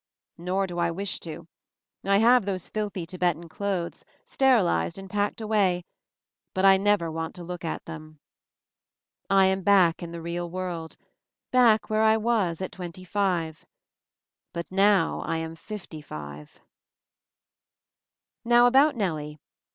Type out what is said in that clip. Nor do I wish to. I have those filthy Tibetan clothes, sterilized and packed away, but I never want to look at them. I am back in the real world, back where I was at twenty five. But now I am fifty five —^_•••• Now, about Nellie.